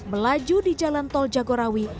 melaju di jalan tol jagorawi